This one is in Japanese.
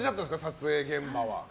撮影現場は。